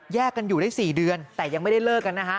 กันอยู่ได้๔เดือนแต่ยังไม่ได้เลิกกันนะฮะ